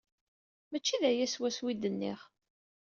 Maci d aya swaswa ay d-nniɣ.